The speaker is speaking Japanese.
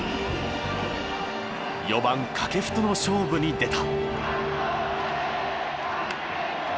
４番掛布との勝負に出た。